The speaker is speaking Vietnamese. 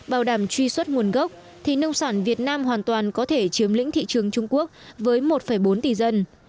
bảo đảm truy xuất nguồn gốc thì nông sản việt nam hoàn toàn có thể chiếm lĩnh thị trường trung quốc với một bốn tỷ dân